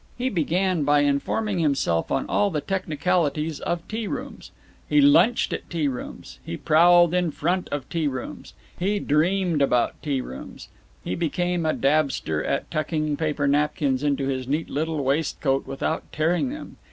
He began by informing himself on all the technicalities of tea rooms. He lunched at tea rooms. He prowled in front of tea rooms. He dreamed about tea rooms. He became a dabster at tucking paper napkins into his neat little waistcoat without tearing them.